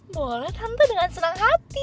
boleh tampil dengan senang hati